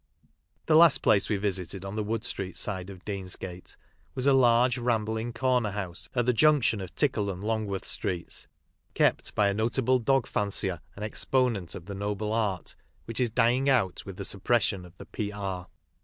The last place we visited on the Wood street side of Deansgate was a large rambling corner house at the junction of Tickle and Longworth streets, kept by a notable dog fancier and exponent of the Noble Art, which is dying out with the suppression of the P.R.